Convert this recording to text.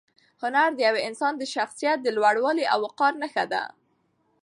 هنر د یو انسان د شخصیت د لوړوالي او وقار نښه ده.